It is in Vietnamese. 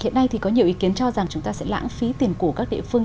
hiện nay thì có nhiều ý kiến cho rằng chúng ta sẽ lãng phí tiền của các địa phương